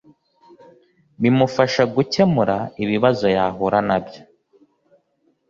bimufasha gukemura ibibazo yahura na byo